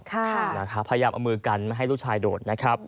พยายามเอามือกันให้ลูกชายโดด